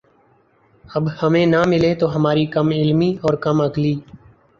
اب ہمیں نہ ملے تو ہماری کم علمی اور کم عقلی